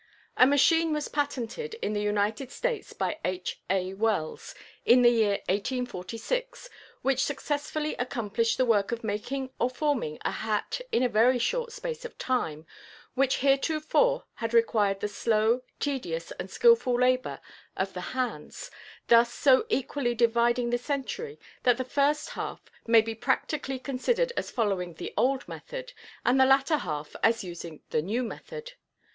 A machine was patented in the United States by H. A. Wells, in the year 1846, which successfully accomplished the work of making or forming a hat in a very short space of time, which heretofore had required the slow, tedious and skillful labor of the hands, thus so equally dividing the century that the first half may be practically considered as following the old method, and the latter half as using the new method.